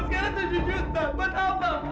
ya sudah pasti sih